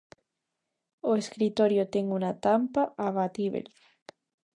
O escritorio ten unha tampa abatíbel.